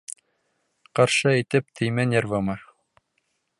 Ҡаршы әйтеп теймә нервыма!